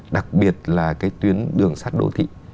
đặc biệt là cái tuyến đường sắt đô thị